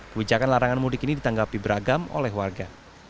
kebijakan larangan mudik ini ditanggapi beragam oleh warga